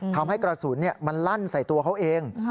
ทำให้กระสุนมันลั่นใส่ตัวเขาเอง